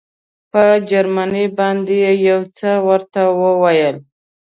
په جرمني باندې یې یو څه ورته وویل.